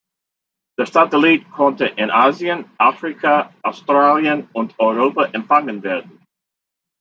Der Satellit konnte in Asien, Afrika, Australien und Europa empfangen werden.